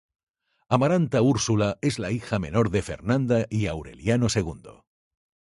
Amaranta Úrsula es la hija menor de Fernanda y Aureliano Segundo.